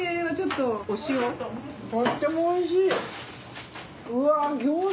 とってもおいしい！